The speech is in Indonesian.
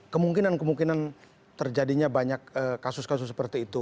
kemungkinan kemungkinan terjadinya banyak kasus kasus seperti itu